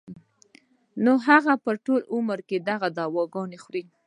نو هغه به ټول عمر دغه دوايانې خوري